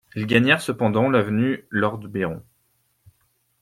Ils gagnèrent cependant l'avenue Lord Byron.